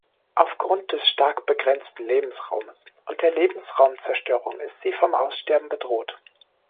Aufgrund des stark begrenzten Lebensraumes und der Lebensraumzerstörung ist sie vom Aussterben bedroht.